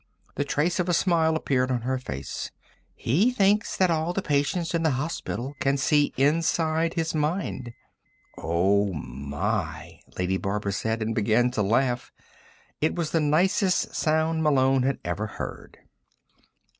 The trace of a smile appeared on her face. "He thinks that all the patients in the hospital can see inside his mind." "Oh, my," Lady Barbara said and began to laugh. It was the nicest sound Malone had ever heard.